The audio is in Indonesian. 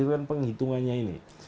itu kan penghitungannya ini